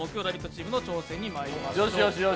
チームの挑戦にまいりましょう。